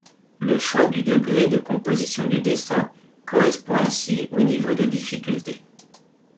Le choix du degré de composition du dessin correspond ainsi au niveau de difficulté.